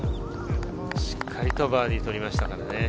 しっかりとバーディーとりましたからね。